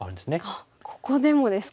あっここでもですか。